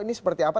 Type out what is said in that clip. ini seperti apa